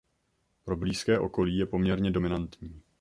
Pro blízké okolí je poměrně dominantní.